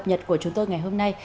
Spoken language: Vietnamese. nhật của chúng tôi ngày hôm nay